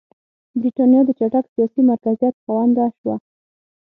برېټانیا د چټک سیاسي مرکزیت خاونده شوه.